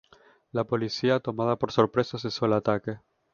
La policía, tomada por sorpresa, cesó el ataque.